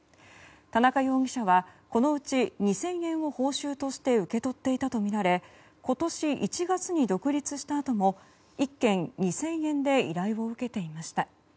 田中容疑者はこのうち２０００円を報酬として受け取っていたとみられ今年１月に独立したあとも１件２０００円で依頼を受けていました。